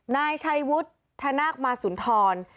นายชัยวุฒิธนาคมาสุนทร